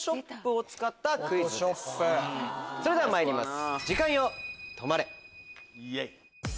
それではまいります。